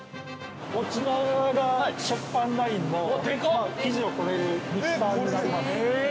◆こちらが食パンラインの、生地をこねるミキサーになります。